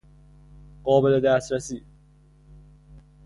قابل دسترسی